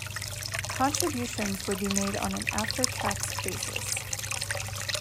Contributions would be made on an after-tax basis.